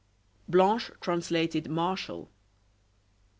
Blanche translated Martial.